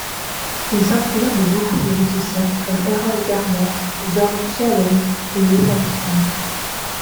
Il s'inspire de beaucoup de musicien comme Erroll Garner, George Shearing ou Louis Armstrong.